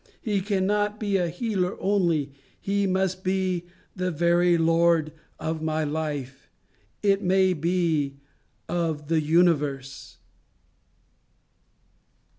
He cannot be a healer only; he must be the very Lord of Life it may be of the Universe."